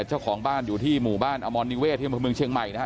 เจ้าของบ้านอยู่ที่หมู่บ้านอมรนิเวศที่อำเภอเมืองเชียงใหม่นะฮะ